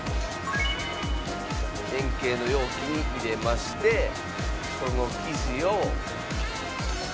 円形の容器に入れましてその生地を。